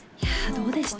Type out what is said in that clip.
どうでした？